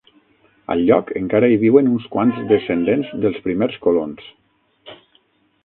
Al lloc encara hi viuen uns quants descendents dels primers colons.